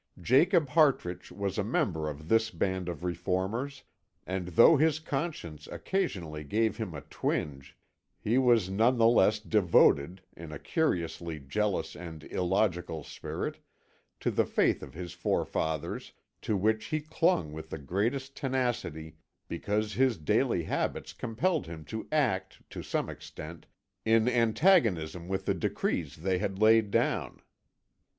Jacob Hartrich was a member of this band of reformers, and though his conscience occasionally gave him a twinge, he was none the less devoted, in a curiously jealous and illogical spirit, to the faith of his forefathers, to which he clung with the greater tenacity because his daily habits compelled him to act, to some extent, in antagonism with the decrees they had laid down.